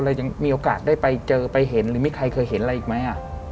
ยังมีโอกาสได้ไปเจอไปเห็นหรือมีใครเคยเห็นอะไรอีกไหม